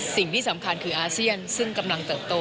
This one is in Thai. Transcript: สิ่งที่สำคัญคืออาเซียนซึ่งกำลังเติบโต